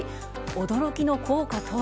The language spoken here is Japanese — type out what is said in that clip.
驚きの効果とは？